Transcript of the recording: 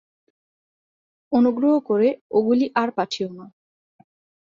অনুগ্রহ করে ওগুলি আর পাঠিও না।